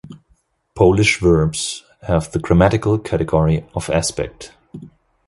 Polish verbs have the grammatical category of aspect.